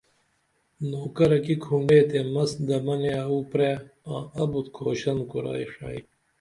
نوکرہ کی کُھنڈے تے مس دمنیے آوو پری آں ابُت کھوشن کُرائی ڜئی